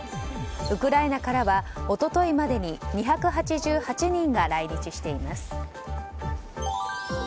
ウクライナからは一昨日までに２８８人が来日しています。